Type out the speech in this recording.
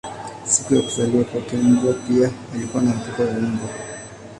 Siku ya kuzaliwa kwake mbwa pia alikuwa na watoto wa mbwa.